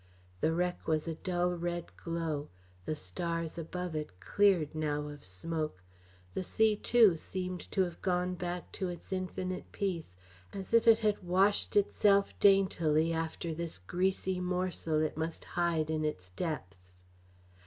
The wreck was a dull red glow, the stars above it cleared now of smoke. The sea, too, seemed to have gone back to its infinite peace, as if it had washed itself daintily after this greasy morsel it must hide in its depths.